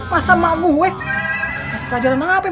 masa emak gue ngasih pelajaran apa ya